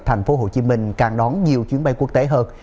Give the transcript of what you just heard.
thành phố hồ chí minh càng đón nhiều chuyến bay quốc tế hơn